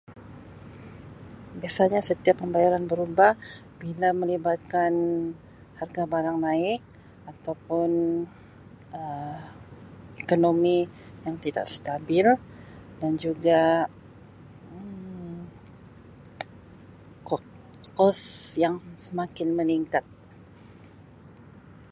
Biasanya setiap pembayaran berubah bila melibatkan harga barang naik ataupun Um ekonomi yang tidak stabil dan juga Um ko-kos yang semakin meningkat.